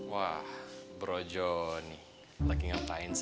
wah bro johnny lagi ngapain sih